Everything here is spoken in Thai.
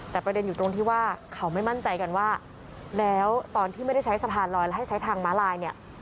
แต่ประเด็นอยู่ตรงที่ว่าเขาไม่มั่นใจกันว่าแล้วตอนที่ไม่ได้ใช้สะพานลอยแล้วให้ใช้ทางม้าลายเนี่ย